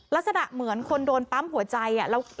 ลักษณะเหมือนคนโดนปั๊มหัวใจ